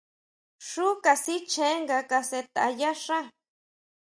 Xu kasichjen nga kasʼetʼa yá xá.